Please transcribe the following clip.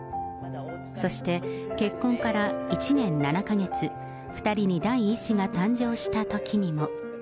そして、結婚から１年７か月、２人に第１子が誕生したときにも。